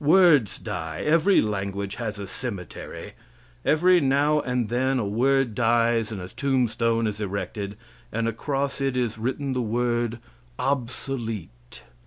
Words die. Every language has a cemetery. Every now and then a word dies and a tombstone is erected, and across it is written the word "obsolete."